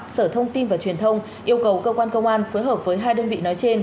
sở thông tin và truyền thông yêu cầu cơ quan công an phối hợp với hai đơn vị nói trên